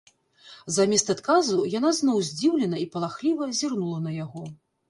Замест адказу яна зноў здзіўлена і палахліва зірнула на яго.